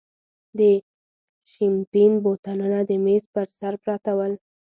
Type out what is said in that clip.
د شیمپین بوتلونه د مېز پر سر پراته ول.